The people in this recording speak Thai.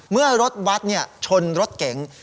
เมื่อรถบัตรชนรถเก๋ง